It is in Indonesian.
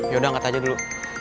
yaudah angkat aja dulu